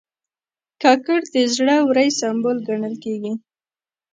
کاکړ د زړه ورۍ سمبول ګڼل کېږي.